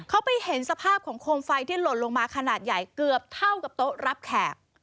เขาไปเห็นสภาพของโคมไฟที่หล่นลงมาขนาดใหญ่เกือบเท่ากับโต๊ะรับแขก